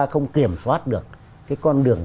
không kiểm soát được cái con đường